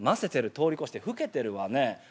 通り越して老けてるわね」。